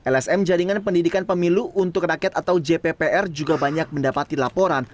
lsm jaringan pendidikan pemilu untuk rakyat atau jppr juga banyak mendapati laporan